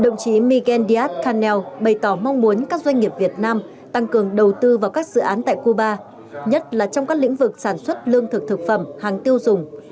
nandiyat khanel bày tỏ mong muốn các doanh nghiệp việt nam tăng cường đầu tư vào các dự án tại cuba nhất là trong các lĩnh vực sản xuất lương thực thực phẩm hàng tiêu dùng